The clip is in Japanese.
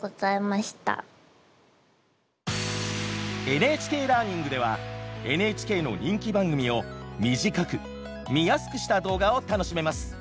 「ＮＨＫラーニング」ではＮＨＫの人気番組を短く見やすくした動画を楽しめます。